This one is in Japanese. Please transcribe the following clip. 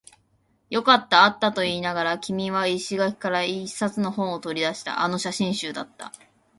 よかった、あったと言いながら、君は生垣から一冊の本を取り出した。あの写真集だった。